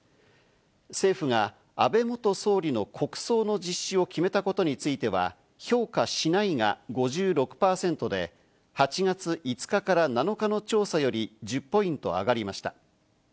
政府が安倍元総理の国葬の実施を決めたことについては、評価しないが５６％で、８月５日から７日の調査より１０ポイント上がりました。